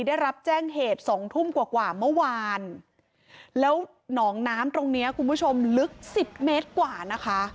ได้รับแจ้งเหตุสองทุ่มกว่ากว่าเมื่อวานแล้วหนองน้ำตรงเนี้ยคุณผู้ชมลึกสิบเมตรกว่านะคะ